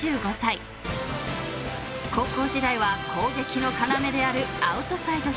［高校時代は攻撃の要であるアウトサイドヒッター］